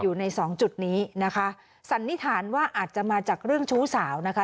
อยู่ในสองจุดนี้นะคะสันนิษฐานว่าอาจจะมาจากเรื่องชู้สาวนะคะ